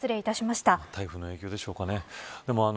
台風の影響でしょうかね。